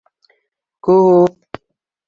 — Күп.